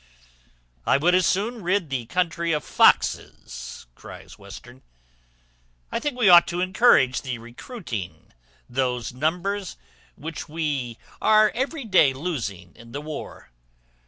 "I would as soon rid the country of foxes," cries Western. "I think we ought to encourage the recruiting those numbers which we are every day losing in the war.